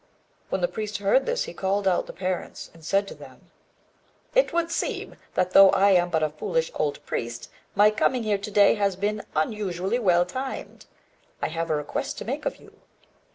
When the priest heard this, he called out the parents, and said to them "It would seem that, though I am but a foolish old priest, my coming here to day has been unusually well timed. I have a request to make of you.